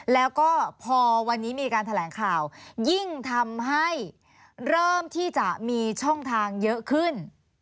แล้วก็พอวันนี้มีการแถลงข่าวยิ่งทำให้เริ่มที่จะมีช่องทางเยอะขึ้น